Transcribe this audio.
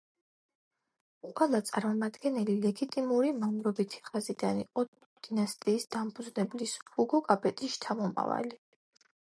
ყველა წარმომადგენელი ლეგიტიმური მამრობითი ხაზიდან იყო დინასტიის დამფუძნებლის ჰუგო კაპეტის შთამომავალი.